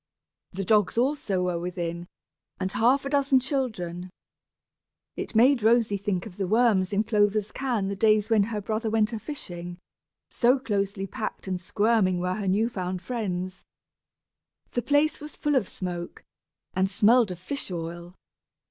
The dogs also were within, and half a dozen children. It made Rosy think of the worms in Clover's can the days when her brother went a fishing, so closely packed and squirming were her new found friends. The place was full of smoke, and smelled of fish oil.